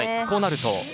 こうなると？